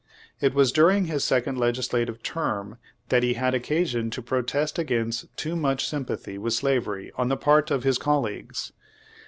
It was during his sec ond legislative term that he had occasion to pro test against too much sympathy with slavery on the part of his colleagues.